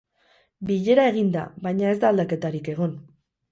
Bilera egin da, baina ez da aldaketarik egon.